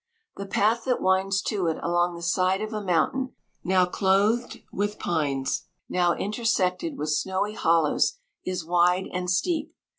The path that winds to it along the side of a mountain, now clothed with pines, now intersected with snowy hollows, is wide and steep.